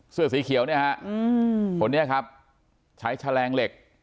เสื้อสีเขียวเนี่ยฮะคนนี้ครับใช้แฉลงเหล็ก